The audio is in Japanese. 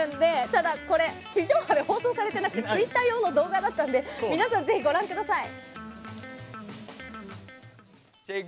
ただ、これ地上波で放送されてなくてツイッター用の動画だったので皆さんぜひご覧ください。